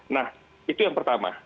nah itu yang pertama